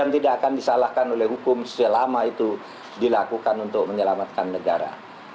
tindakan tegas itu adalah monopoli yang diberikan oleh konstitusi